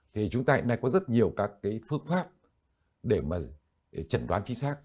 thì chúng ta hiện nay có rất nhiều các cái phương pháp để mà chẩn đoán chính xác